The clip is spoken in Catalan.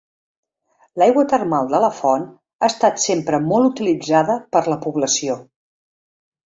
L'aigua termal de la font ha estat sempre molt utilitzada per la població.